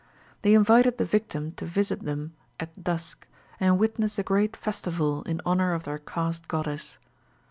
They invited the victim to visit them at dusk, and witness a great festival in honour of their caste goddess.